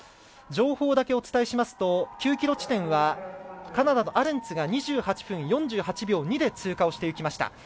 情報だけお伝えしますと９ｋｍ地点はカナダのアレンツが２８分４８秒２で通過をしていきました。